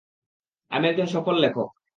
আমি একজন সফল লেখক।